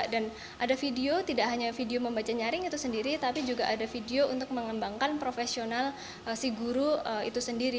dan ada video tidak hanya video membaca nyaring itu sendiri tapi juga ada video untuk mengembangkan profesional si guru itu sendiri